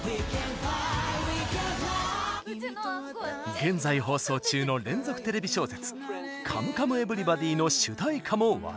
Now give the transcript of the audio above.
現在放送中の連続テレビ小説「カムカムエヴリバディ」の主題歌も話題に。